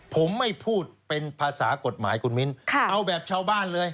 ผมไม่พูดเป็นภาษากฎหมายคุณมิ้นเอาแบบชาวบ้านเลย